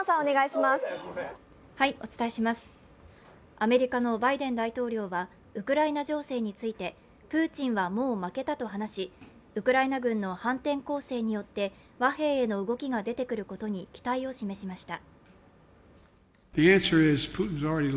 アメリカのバイデン大統領はウクライナ情勢についてプーチンはもう負けたと話し、ウクライナ軍の反転攻勢によって和平への動きが出てくることに期待を示しました。